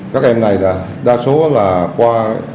các em này đa số là qua